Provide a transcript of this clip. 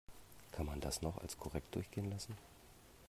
Kann man das noch als korrekt durchgehen lassen?